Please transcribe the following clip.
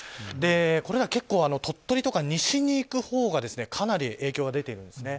これは結構鳥取とか西に行くほうがかなり影響が出ているんですね。